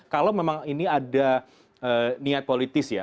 kalau memang ini ada niat politis ya